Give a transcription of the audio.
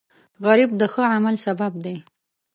غریب د ښه عمل سبب دی